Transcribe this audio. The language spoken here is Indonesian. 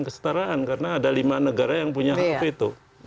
kestaraan karena ada lima negara yang punya hak veto